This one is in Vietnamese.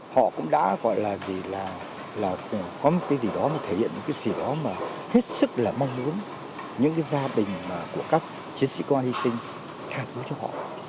họ cũng đã gọi là vì là có cái gì đó mà thể hiện cái gì đó mà hết sức là mong muốn những gia đình của các chiến sĩ công an hy sinh thay đổi cho họ